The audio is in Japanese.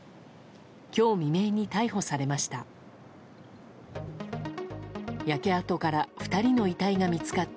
今日未明に逮捕されました。